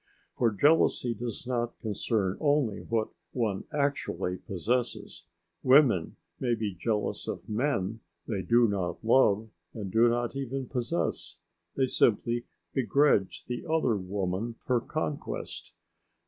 For jealousy does not concern only what one actually possesses. Women may be jealous of men they do not love and do not even possess. They simply begrudge the other woman her conquest.